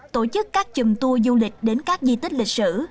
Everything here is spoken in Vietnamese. tổ chức các chùm tour du lịch đến các di tích lịch sử